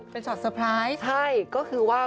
เป็นช็อตเตอร์ไพรส์ใช่ก็คือว่า